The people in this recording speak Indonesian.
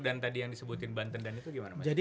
dan tadi yang disebutin banten dan itu gimana mas